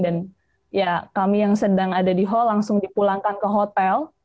dan kami yang sedang ada di hall langsung dipulangkan ke hotel